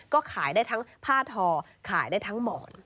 ก็ขายได้ทั้งผ้าทอขายได้ทั้งหมอน